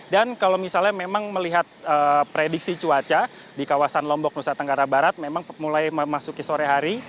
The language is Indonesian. dan kalau misalnya memang melihat prediksi cuaca di kawasan lombok nusa tenggara barat memang mulai memasuki sore hari